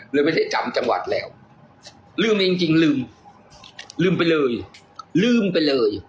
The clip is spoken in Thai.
เลยไม่ได้จำจังหวัดแล้วลืมเองจริงลืมลืมไปเลยลืมไปเลย